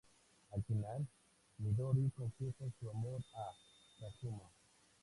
Al final, Midori confiesa su amor a Kazuma.